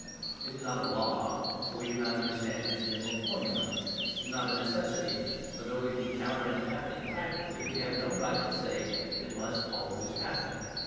It is not a "law," for we do not understand its general formula. It is not a necessity, for though we can count on it happening practically, we have no right to say that it must always happen.